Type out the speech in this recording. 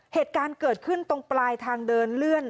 เหตุการณ์เกิดขึ้นตรงปลายทางเดินเลื่อน